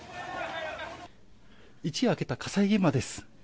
一夜明けた火災現場です。